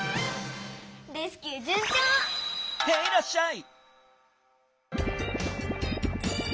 レスキューじゅんちょう！へいらっしゃい！